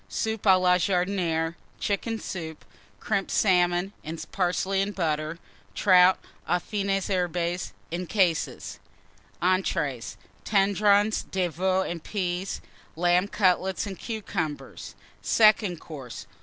Soup à la Jardinière. Chicken Soup. Crimped Salmon and Parsley and Butter. Trout aux fines herbes, in cases. ENTREES. Tendrons de Veau and Peas. Lamb Cutlets and Cucumbers. SECOND COURSE.